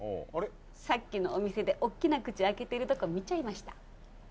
さっきのお店でおっきな口開けてるとこ見ちゃいました